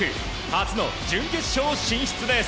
初の準決勝進出です。